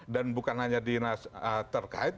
dan bukan hanya dinas terkait